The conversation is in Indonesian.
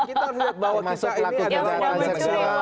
kita lihat bahwa kita ini ada pelaku kejahatan seksual